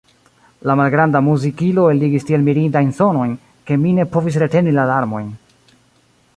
La malgranda muzikilo eligis tiel mirindajn sonojn, ke mi ne povis reteni la larmojn.